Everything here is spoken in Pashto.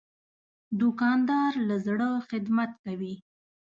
دوکاندار له زړه خدمت کوي.